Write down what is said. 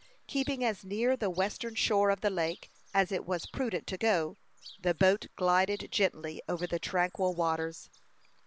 Keeping as near the western shore of the lake as it was prudent to go, the boat glided gently over the tranquil waters.